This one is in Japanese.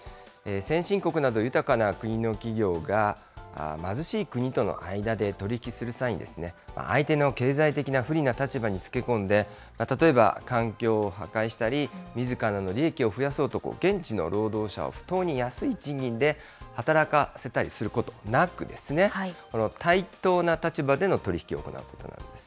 先進国など、豊かな国の企業が、貧しい国との間で取り引きする際に、相手の経済的な不利な立場につけ込んで、例えば環境を破壊したり、みずからの利益を増やそうと、現地の労働者を不当に安い賃金で働かせたりすることなく、この対等な立場での取り引きを行うことなんです。